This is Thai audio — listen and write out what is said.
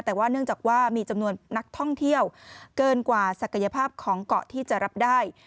แต่ว่าเนื่องจากว่ามีจำนวนนักท่องเที่ยวเกินกว่าศักยภาพของเกาะที่จะรับได้